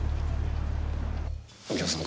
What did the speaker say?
右京さん